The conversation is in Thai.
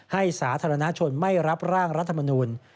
สาธารณชนไม่รับร่างรัฐมนูล